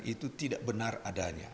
itu tidak benar adanya